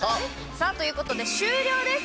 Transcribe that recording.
さあ、ということで終了です。